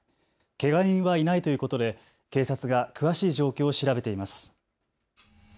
けが人はいないということで警察が詳しい状況を調べています。